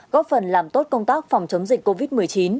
góp phần làm tốt công tác phòng chống dịch covid một mươi chín